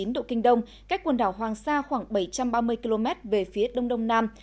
một trăm một mươi tám chín độ kinh đông cách quần đảo hoàng sa khoảng bảy trăm ba mươi km về phía đông đông nam